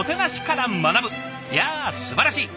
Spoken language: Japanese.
いやすばらしい。